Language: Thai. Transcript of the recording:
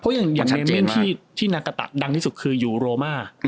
เพราะยังมีที่นากะตะดังที่สุดคืออยู่โรมา